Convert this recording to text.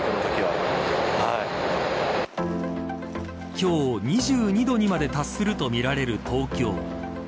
今日、２２度にまで達するとみられる東京。